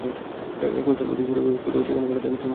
একবার তাঁর পেটে ছুরিকাঘাত করা হয়, সেখানে কাটা দাগের চিহ্ন ছিল।